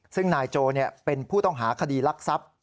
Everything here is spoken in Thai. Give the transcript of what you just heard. ซึ่งนายโจเป็นผู้ต้องหาคดีรักทรัพย์